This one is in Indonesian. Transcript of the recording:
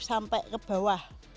sampai ke bawah